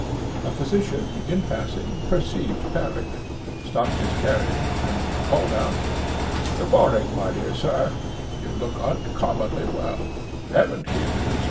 A physician, in passing, perceived Peregrine, stopped his carriage, and called out, "Good morning, my dear sir; you look uncommonly well; heaven keep you so!